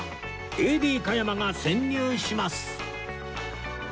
ＡＤ 加山が潜入します！